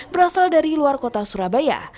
berasal dari luar kota surabaya